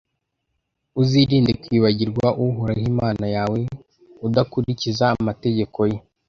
uzirinde kwibagirwa uhoraho imana yawe udakurikiza amategeko ye